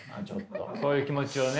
そういう気持ちをね。